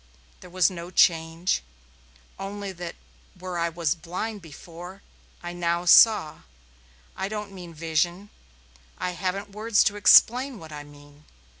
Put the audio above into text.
There was no change, only that where I was blind before I now saw. I don't mean vision. I haven't words to explain what I mean.